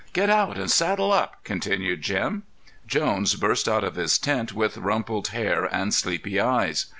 "Get out and saddle up," continued Jim. Jones burst out of his tent, with rumpled hair and sleepy eyes.